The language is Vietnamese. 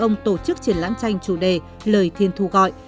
ông tổ chức triển lãm tranh chủ đề lời thiên thu gọi